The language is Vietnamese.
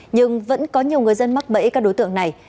nhưng vẫn có nhiều người dân mắc bẫy các đối tượng này